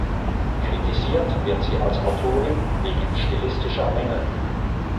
Kritisiert wird sie als Autorin wegen stilistischer Mängel.